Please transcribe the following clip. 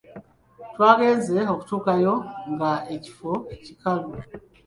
Twagenze okutuukayo nga ekifo kikalu!